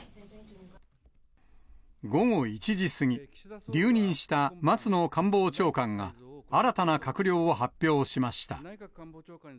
午後１時過ぎ、留任した松野官房長官が、新たな閣僚を発表しました。